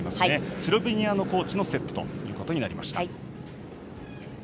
スロベニアのコーチのセットということになりました。